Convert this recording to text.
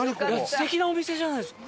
素敵なお店じゃないですか。